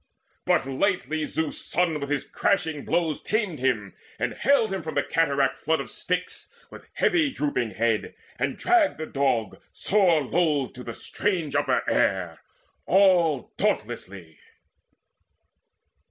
But lightly Zeus' son with his crashing blows Tamed him, and haled him from the cataract flood Of Styx, with heavy drooping head, and dragged The Dog sore loth to the strange upper air All dauntlessly.